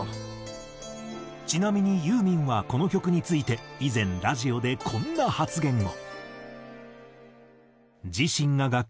ちなみにユーミンはこの曲について以前ラジオでこんな発言を。